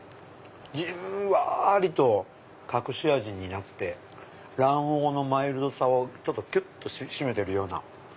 じんわりと隠し味になって卵黄のマイルドさをきゅっと締めてるような。